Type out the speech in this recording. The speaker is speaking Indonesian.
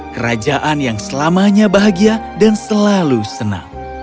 kerajaan yang selamanya bahagia dan selalu senang